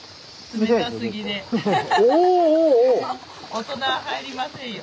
大人は入りませんよ。